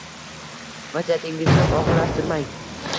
Vaziyatingizni og‘irlashtirmang.